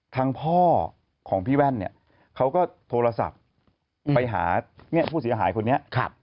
ทางพ่อของพี่แว่นเนี่ยเขาก็โทรศัพท์ไปหาผู้เสียหายคนนี้